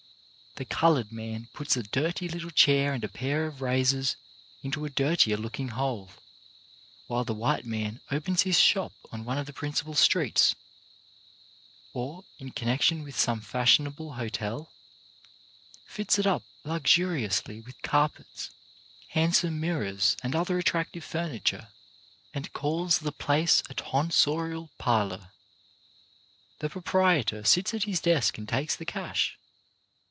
The coloured man puts a dirty little chair and a pair of razors into a dirtier looking hole, while the white man opens his shop on one of the principal streets, or in connection with some fashionable hotel, fits it up luxuriously with carpets, hand some mirrors and other attractive furniture, and calls the place a "tonsorial parlour." The pro prietor sits at his desk and takes the cash.